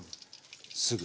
すぐ。